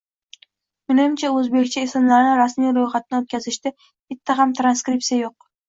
Menimcha, o'zbekcha ismlarni rasmiy ro'yxatdan o'tkazishda bitta ham transkripsiya yo'q